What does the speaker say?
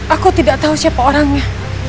aku tidak tahu siapa orangnya